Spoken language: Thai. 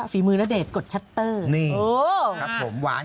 ฝีมือนเดชกดชัตเตอร์นี่